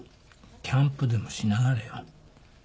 キャンプでもしながらよ。